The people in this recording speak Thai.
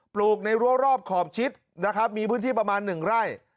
ลูกในรั้วรอบขอบชิดนะครับมีพื้นที่ประมาณ๑ไร่